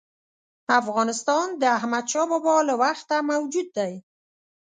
افغانستان د احمدشاه بابا له وخته موجود دی.